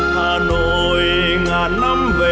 hà nội ngàn năm về đây